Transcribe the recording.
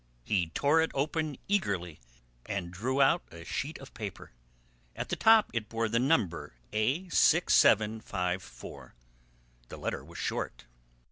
He tore it open eagerly and drew out a sheet of paper. At the top it bore the number A6754. The letter was short.